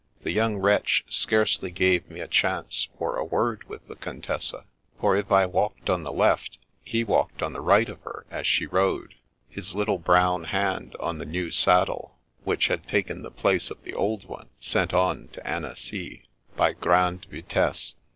The young wretch scarcely gave me a chance for a word with the Contessa, for if I walked on the left he walked on the right of her as she rode, his little brown hand on the new saddle, which had taken the place of the old one sent on to Annecy by grande vitesse.